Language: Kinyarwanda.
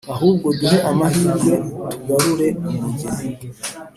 ahubwo duhe amahirwe tugarure umugeni"